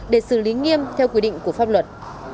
để xử lý nghiêm theo quy định của pháp luật